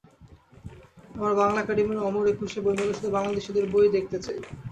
আমরা বাংলা একাডেমির অমর একুশে বইমেলায় শুধু বাংলাদেশের বই-ই দেখতে চাই।